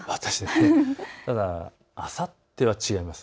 ただ、あさっては違います。